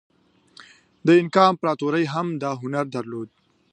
د اینکا امپراتورۍ هم دا هنر درلود.